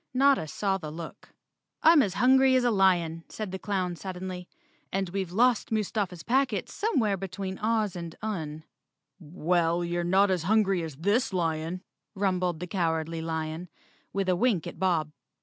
Notta saw the look. "I'm hungry as a lion," said the clown suddenly, "and we've lost Mustafa's packets somewhere between Oz and Un. "Well, you're not as hungry as this lion," rumbled the Cowardly Lion, with a wink at Bob.